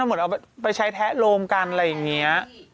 เหมือนเอาไปใช้แทะโลมกันอะไรอย่างนี้